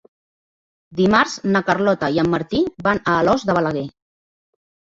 Dimarts na Carlota i en Martí van a Alòs de Balaguer.